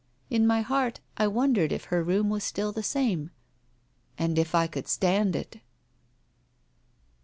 In my heart I wondered if her room was still the same, and if I could stand it